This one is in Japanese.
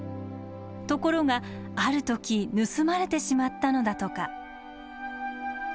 ところがある時盗まれてしまったのだとか。